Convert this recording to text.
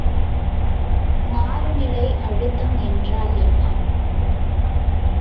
மாறுநிலை அழுத்தம் என்றால் என்ன?